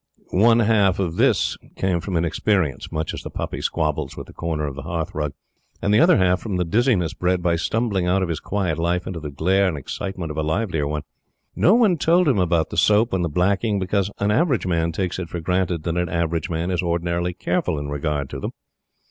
One half of this came from inexperience much as the puppy squabbles with the corner of the hearth rug and the other half from the dizziness bred by stumbling out of his quiet life into the glare and excitement of a livelier one. No one told him about the soap and the blacking because an average man takes it for granted that an average man is ordinarily careful in regard to them.